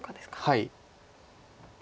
はい。